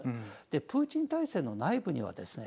プーチン体制の内部にはですね